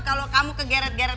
kalau kamu kegeret geret